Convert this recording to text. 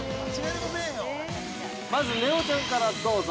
◆まず、ねおちゃんからどうぞ。